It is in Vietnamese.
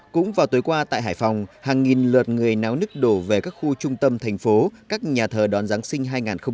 cũng vào tối qua tại hải phòng hàng nghìn lượt người náo nước đổ về các khu trung tâm thành phố các nhà thờ đón giáng sinh hai nghìn hai mươi